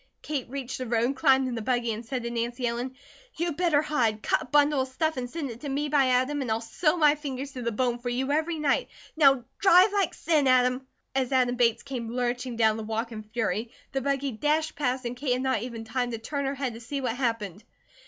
Kate reached the road, climbed in the buggy, and said the Nancy Ellen: "You'd better hide! Cut a bundle of stuff and send it to me by Adam and I'll sew my fingers to the bone for you every night. Now drive like sin, Adam!" As Adam Bates came lurching down the walk in fury the buggy dashed past and Kate had not even time to turn her head to see what happened.